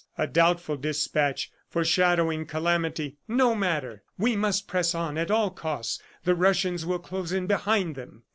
A doubtful despatch, foreshadowing calamity: "No matter! We must press on at all costs! The Russians will close in behind them!"